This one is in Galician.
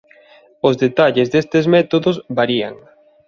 Os detalles destes métodos varían.